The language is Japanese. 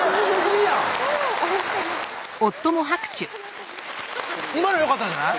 いいやん今のよかったんじゃない？